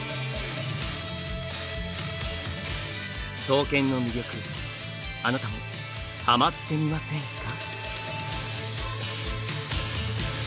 刀剣の魅力あなたもハマってみませんか？